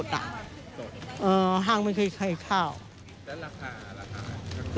แล้วราคาราคาไหมครับ